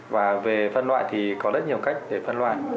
và về phân loại thì có rất nhiều cách để phân loại